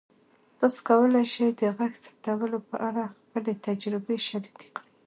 تاسو کولی شئ د غږ ثبتولو په اړه خپلې تجربې شریکې کړئ.